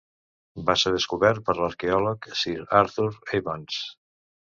Va ser descobert per l'arqueòleg Sir Arthur Evans.